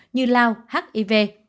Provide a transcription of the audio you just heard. như lao hiv